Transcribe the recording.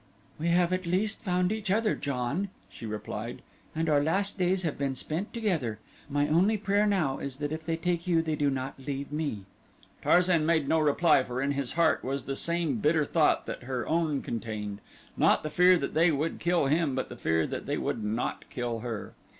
"We have at least found each other, John," she replied, "and our last days have been spent together. My only prayer now is that if they take you they do not leave me." Tarzan made no reply for in his heart was the same bitter thought that her own contained not the fear that they would kill him but the fear that they would not kill her.